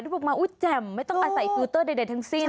ได้บุกมาอุ๊ยแจ่มไม่ต้องใส่ฟื้อเตอร์เด่นทั้งสิ้น